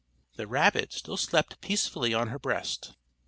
The rabbit still slept peacefully on her breast.